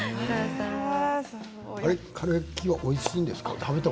かるやきはおいしいんですか。